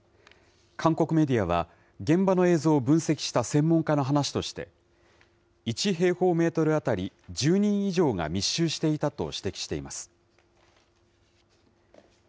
韓国メディアは、現場の映像を分析した専門家の話として、１平方メートル当たり１０人以上が密集していたと指摘しています。